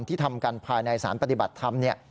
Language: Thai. ที่ทำกันภายในสารปฏิบัติธรรมเนี่ย